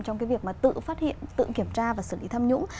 trong cái việc mà tự phát hiện tự kiểm tra và xử lý tham nhũng